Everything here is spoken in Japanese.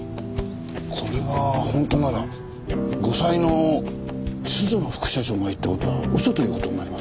これが本当なら後妻の涼乃副社長が言った事は嘘という事になりますね。